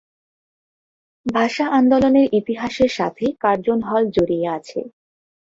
ভাষা আন্দোলনের ইতিহাসের সাথে কার্জন হল জড়িয়ে আছে।